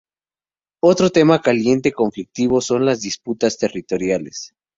Otro tema caliente conflictivo son las disputas territoriales.